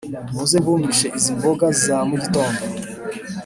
Muze mbumvishe izi mboga za mugitondo